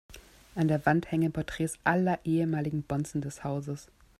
An der Wand hängen Porträts aller ehemaligen Bonzen des Hauses.